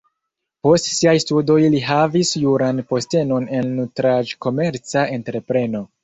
Post siaj studoj li havis juran postenon en nutraĵkomerca entrepreno.